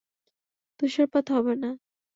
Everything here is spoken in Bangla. তুষারপাত হবে না।